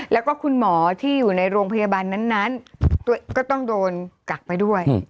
แล้วก็คุณหมอที่อยู่ในโรงพยาบาลนั้นก็ต้องโดนกักไปด้วย